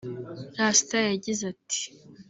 Rasta yagize ati